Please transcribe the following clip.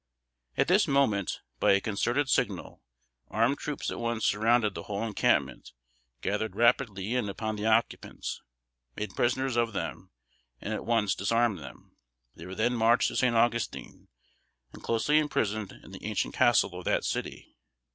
At this moment, by a concerted signal, armed troops at once surrounded the whole encampment, gathered rapidly in upon the occupants, made prisoners of them, and at once disarmed them. They were then marched to San Augustine, and closely imprisoned in the ancient castle of that city.